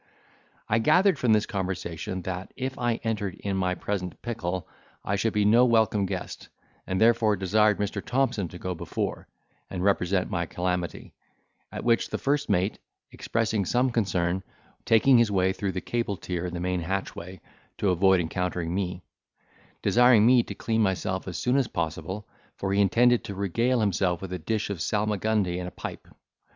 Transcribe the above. I gathered from this conversation, that, if I entered in my present pickle, I should be no welcome guest, and therefore desired Mr. Thompson to go before, and represent my calamity; at which the first mate, expressing some concern, went upon deck immediately, taking his way through the cable tier and the main hatchway, to avoid encountering me; desiring me to clean myself as soon as possible: for he intended to regale himself with a dish of salmagundy and a pipe.